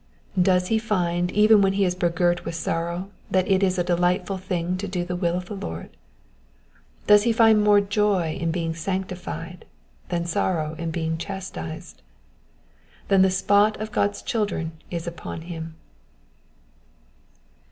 Does he find even when he is begirt with sorrow that it is a delightful thing to do the will of the Lord ? Does he find more joy in bein^ sanctified than sorrow in being chastised? Then the spot of God's children is upon him.